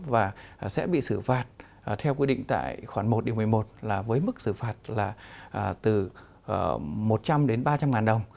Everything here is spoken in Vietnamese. và sẽ bị xử phạt theo quy định tại khoản một điều một mươi một là với mức xử phạt là từ một trăm linh đến ba trăm linh ngàn đồng